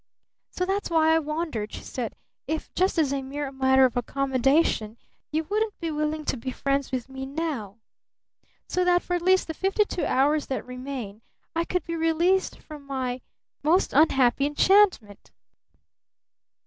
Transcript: So that's why I wondered," she said, "if just as a mere matter of accommodation, you wouldn't be willing to be friends with me now? So that for at least the fifty two hours that remain, I could be released from my most unhappy enchantment."